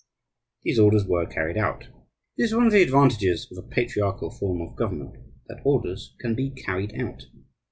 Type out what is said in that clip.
These orders were carried out. It is one of the advantages of a patriarchal form of government that orders can be carried out.